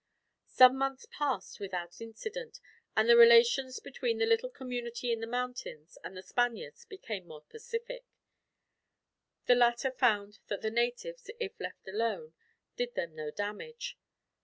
Some months passed without incident, and the relations between the little community in the mountains and the Spaniards became more pacific. The latter found that the natives, if left alone, did them no damage.